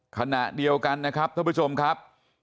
ขณะเดียวกันนะครับท่านผู้ชมครับ